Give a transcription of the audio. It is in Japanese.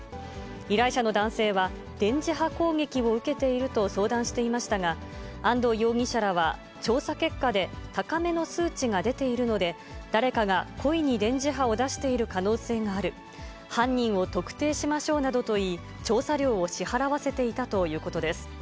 依頼者の男性は、電磁波攻撃を受けていると相談していましたが、安藤容疑者らは、調査結果で高めの数値が出ているので、誰かが故意に電磁波を出している可能性がある、犯人を特定しましょうなどと言い、調査料を支払わせていたということです。